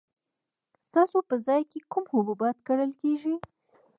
ستاسو په ځای کې کوم حبوبات کرل کیږي؟